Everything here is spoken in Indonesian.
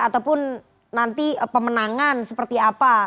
ataupun nanti pemenangan seperti apa